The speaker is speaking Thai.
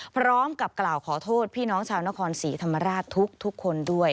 พร้อมกับกล่าวขอโทษพี่น้องชาวนครศรีธรรมราชทุกคนด้วย